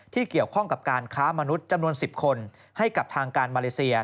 เกี่ยวข้องกับการค้ามนุษย์จำนวน๑๐คนให้กับทางการมาเลเซีย